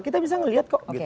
kita bisa melihat kok